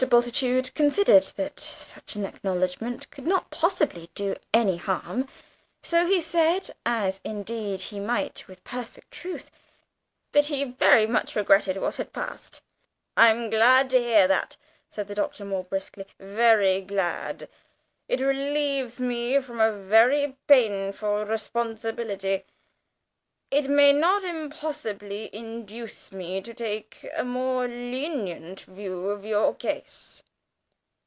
Bultitude considered that such an acknowledgment could not possibly do any harm, so he said as, indeed, he might with perfect truth that "he very much regretted what had passed." "I am glad to hear that," said the Doctor, more briskly, "very glad; it relieves me from a very painful responsibility. It may not impossibly induce me to take a more lenient view of your case."